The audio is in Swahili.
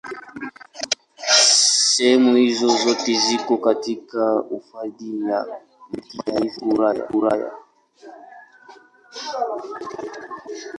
Sehemu hizo zote ziko katika Hifadhi ya Kitaifa ya Gouraya.